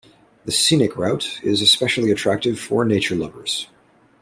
The scenic route is especially attractive for nature lovers.